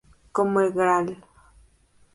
Como el Gral.